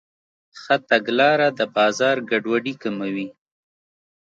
ښه تګلاره د بازار ګډوډي کموي.